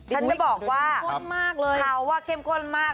ฉันจะบอกว่าเขาเข้มข้นมาก